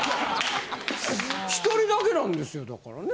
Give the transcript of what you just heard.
１人だけなんですよだからね。